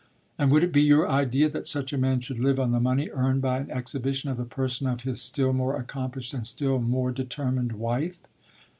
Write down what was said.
"And would it be your idea that such a man should live on the money earned by an exhibition of the person of his still more accomplished and still more determined wife?"